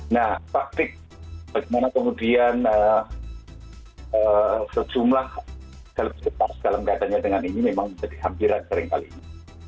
nah praktik bagaimana kemudian sejumlah dalam katanya dengan ini memang jadi hampiran sering kali ini